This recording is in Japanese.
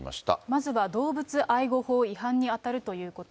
まずは動物愛護法違反にあたるということ。